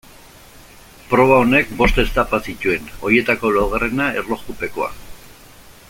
Proba honek bost etapa zituen, horietako laugarrena erlojupekoa.